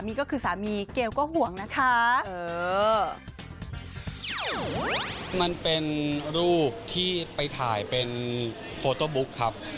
มันเป็นรูปที่ไปถ่ายเป็นโฟโต้บุ๊กครับ